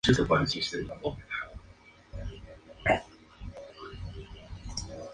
Los pueblos germánicos, sin embargo, tenían sus propias prioridades.